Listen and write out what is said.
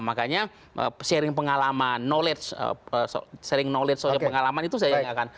makanya sharing pengalaman knowledge sharing knowledge soal pengalaman itu saya yang akan